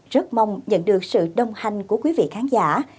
rất mong nhận được sự đồng hành của quý vị khán giả